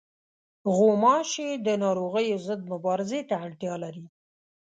غوماشې د ناروغیو ضد مبارزې ته اړتیا لري.